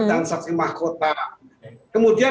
dan saksi mahkota kemudian